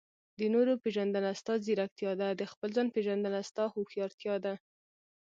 د نورو پېژندنه؛ ستا ځیرکتیا ده. د خپل ځان پېژندنه؛ ستا هوښيارتيا ده.